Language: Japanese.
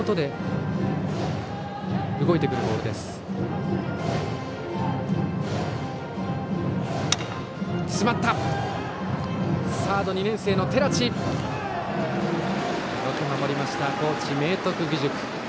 よく守りました高知・明徳義塾。